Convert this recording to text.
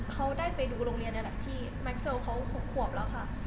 เขาได้ไปดูโรงเรียนนี่แหละที่แม็กเซลเขา๖ขวบแล้วค่ะ